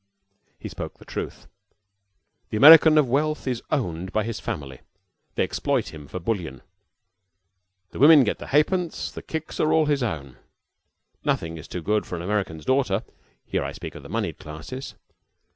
He spoke the truth. The American of wealth is owned by his family. They exploit him for bullion. The women get the ha'pence, the kicks are all his own. Nothing is too good for an American's daughter (I speak here of the moneyed classes).